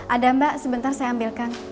ada mbak sebentar saya ambilkan